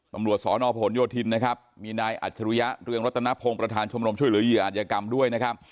ตำรวจสนผลโยธินนะครับมีนายอัจฉริยะเรืองรัตนพงศ์ประธานชมรมช่วยเหลือเหยื่ออาจยกรรมด้วยนะครับ